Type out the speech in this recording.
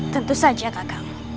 tentu saja kakakmu